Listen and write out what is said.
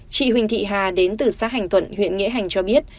chị huỳnh thị hà đến từ xã hành thuận huyện nghĩa hành cho biết